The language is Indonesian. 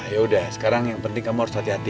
yaudah sekarang yang penting kamu harus hati hati